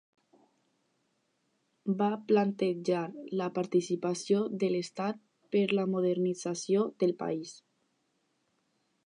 Va plantejar la participació de l'Estat per la modernització del país.